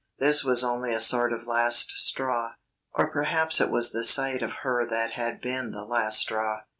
This was only a sort of last straw or perhaps it was the sight of her that had been the last straw.